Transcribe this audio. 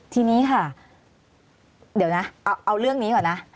ทีนี้ค่ะเดี๋ยวนะเอาเรื่องนี้ก่อนนะ